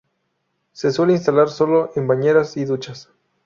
Se suelen instalar solo en bañeras y duchas.